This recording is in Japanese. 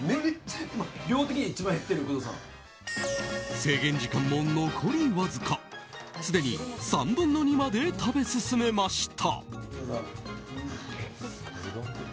制限時間も残りわずかすでに３分の２まで食べ進めました。